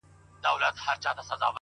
دا څو شپې کيږي په خوب هره شپه موسی وينم